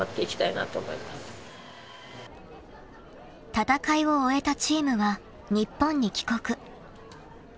［戦いを終えたチームは日本に帰国］